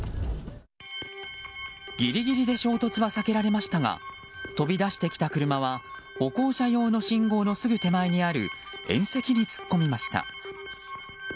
ギリギリで衝突は避けられましたが飛び出してきた車は歩行者用の信号のすぐ手前にある縁石に突っ込みました。